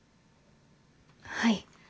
はい。